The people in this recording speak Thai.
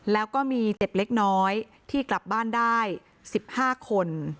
แล้วก็มีเจ็บเล็กน้อยที่กลับบ้านได้๑๕คน